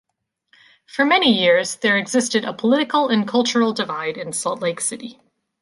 For many years, there existed a political and cultural divide in Salt Lake City.